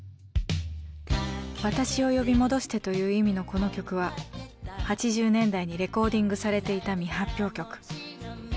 「私を呼び戻して」という意味のこの曲は８０年代にレコーディングされていた未発表曲。